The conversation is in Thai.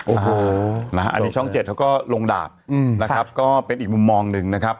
โอ้โหนะฮะอันนี้ช่องเจ็ดเขาก็ลงดาบนะครับก็เป็นอีกมุมมองหนึ่งนะครับ